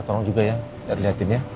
tolong juga ya lihatin ya